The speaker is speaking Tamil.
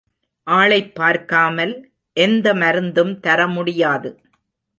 ஆளைப் பார்க்காமல் எந்த மருந்தும் தரமுடியாது.